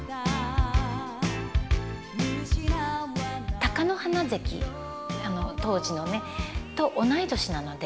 貴乃花関当時のねと同い年なので。